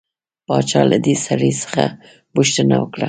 باچا له دې سړي څخه پوښتنه وکړه.